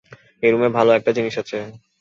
ওইরুমে ভালো একটা জিনিস আছে।